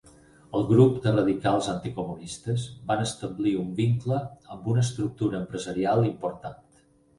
El grup de radicals anticomunistes van establir un vincle amb una estructura empresarial important.